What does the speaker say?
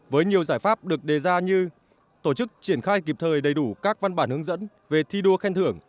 với nhiều giải pháp được đề ra như tổ chức triển khai kịp thời đầy đủ các văn bản hướng dẫn về thi đua khen thưởng